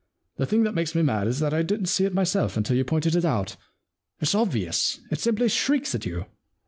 * The thing that makes me mad is that I didn*t see it myself until you pointed it out. It's obvious. It simply shrieks at you.